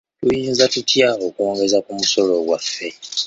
Tuyinza tutya okwongeza ku musolo gwaffe?